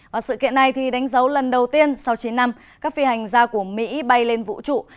và sự kiện này đánh dấu lần đầu tiên sau chín năm các phi hành gia của mỹ bay lên vũ trụ